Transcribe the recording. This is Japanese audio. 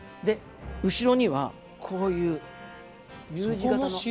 後ろにはこういうＵ字型の城。